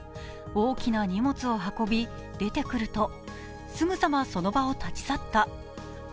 大きな荷物を運び出てくると、すぐさま、その場を立ち去った。